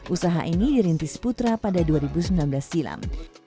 usaha ini dirintis putra pada dua ribu sembilan belas silam